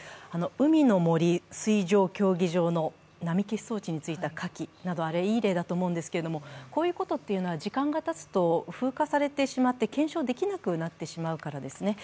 海の森水上競技場の波消し装置についたカキはいい例だと思うんですけど、こういうことは時間がたつと風化されてしまって検証できなくなってしまうからですね。